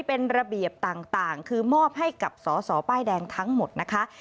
เป็นระเบียบต่างคือมอบให้กับสอสอป้ายแดงทั้งหมดนะคะ